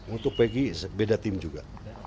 untuk pg beda tim juga